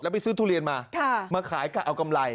ไปซื้อทุเรียนมามาขายกะเอากำไร